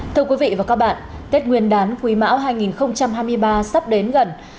thưa quý vị và các bạn tết nguyên đán quý mão hai nghìn hai mươi ba sắp đến gần